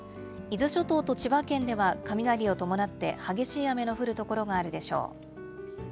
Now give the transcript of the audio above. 伊豆諸島と千葉県では雷を伴って、激しい雨の降る所があるでしょう。